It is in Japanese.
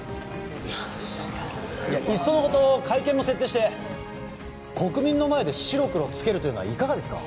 いやしかしいっそのこと会見も設定して国民の前で白黒つけるというのはいかがですか？